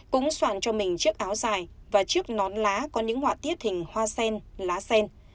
cũng soạn cho mình chiếc áo dài và chiếc nón lá có những họa tiết hình hoa sen lá sen